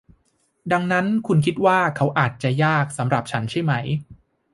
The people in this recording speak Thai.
ดังนั้นคุณคิดว่าเขาอาจจะยากสำหรับฉันใช่มั้ย